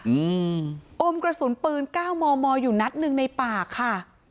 อืมอมกระสุนปืนเก้ามอมออยู่นัดหนึ่งในปากค่ะ